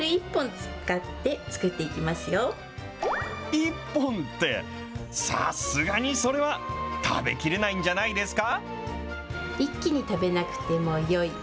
１本って、さすがにそれは食べきれないんじゃないですか。